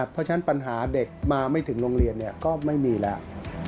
เพราะฉะนั้นปัญหาเด็กมาไม่ถึงโรงเรียนก็ไม่มีแล้ว